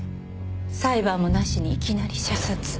裁判もなしにいきなり射殺。